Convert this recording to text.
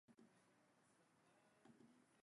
Antennae sockets superficial.